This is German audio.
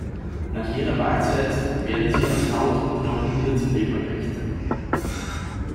Nach jeder Mahlzeit werden sie aus Haut und Knochen wieder zum Leben erweckt.